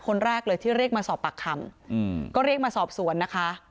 คนแรกเลยที่เรียกมาสอบปากคำก็เรียกมาสอบสวนนะคะ